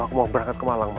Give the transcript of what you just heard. aku mau berangkat ke malang